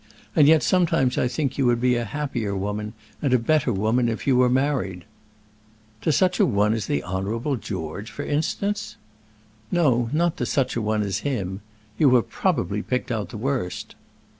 And yet sometimes I think you would be a happier woman and a better woman, if you were married." "To such an one as the Honourable George, for instance?" "No, not to such an one as him; you have probably picked out the worst."